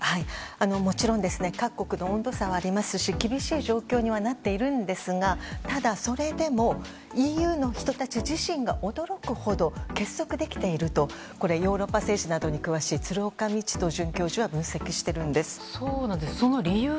もちろん各国の温度差はありますし厳しい状況にはなっているんですがただそれでもＥＵの人たち自身が驚くほど結束できているとヨーロッパに詳しい鶴岡路人准教授は分析しているんです。